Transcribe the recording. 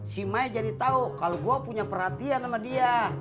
si mai jadi tahu kalau gue punya perhatian sama dia